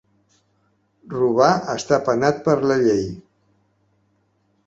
Robar està penat per la llei.